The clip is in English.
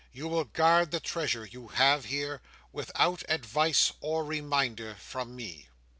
You will guard the treasure you have here, without advice or reminder from me."